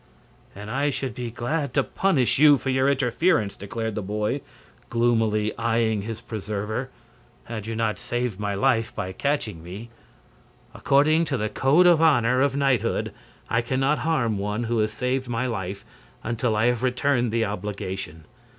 "And I should be glad to punish you for your interference," declared the boy, gloomily eying his preserver, "had you not saved my life by catching me. According to the code of honor of knighthood I can not harm one who has saved my life until I have returned the obligation.